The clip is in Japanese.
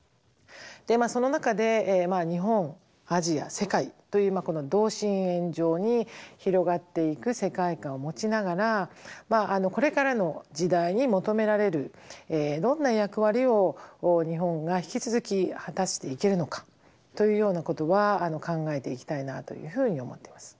その中で日本アジア世界というこの同心円状に広がっていく世界観を持ちながらこれからの時代に求められるどんな役割を日本が引き続き果たしていけるのかというようなことは考えていきたいなというふうに思ってます。